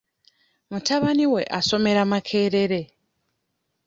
Mutabani we asomera Makerere.